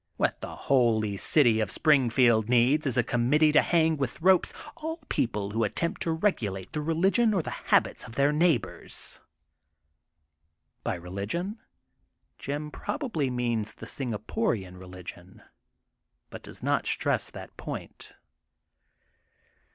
What the holy city of Springfield needs is a committee to hang with ropes all people who attempt to regulate the reUgion or the habits of their neighbors. '' By religion, Jim probably means the Singaporian religion but does not stress that point.